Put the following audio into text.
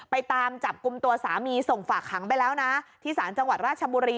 ไปตามจับกลุ่มตัวสามีส่งฝากขังไปแล้วนะที่ศาลจังหวัดราชบุรี